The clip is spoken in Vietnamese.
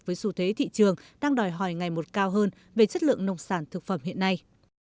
với xu thế thị trường đang đòi hỏi ngày một cao hơn về chất lượng nông sản thực phẩm hiện nay